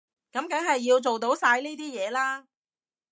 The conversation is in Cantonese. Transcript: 噉梗係要做到晒呢啲嘢啦